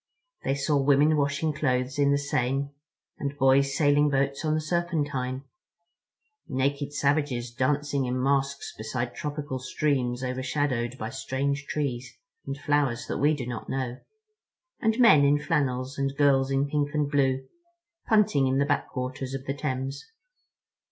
They saw women washing clothes in the Seine, and boys sailing boats on the Serpentine. Naked savages dancing in masks beside tropical streams overshadowed by strange trees and flowers that we do not know—and men in flannels and girls in pink and blue, punting in the backwaters of the Thames.